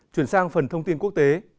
chuyển sang phần thông tin quốc tế